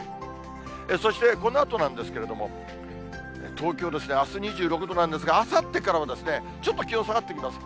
そしてこのあとなんですけれども、東京ですね、あす２６度なんですが、あさってからはちょっと気温下がってきます。